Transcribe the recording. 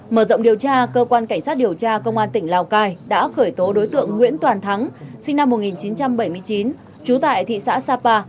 mở rộng điều tra cơ quan cảnh sát điều tra công an tỉnh lào cai đã khởi tố đối tượng nguyễn toàn thắng sinh năm một nghìn chín trăm bảy mươi chín trú tại thị xã sapa